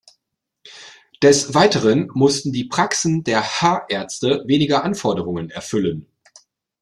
Des Weiteren mussten die Praxen der H-Ärzte weniger Anforderungen erfüllen.